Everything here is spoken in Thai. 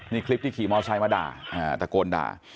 นี่คลิปที่ขี่มอไซค์มาด่าตะโกนด่า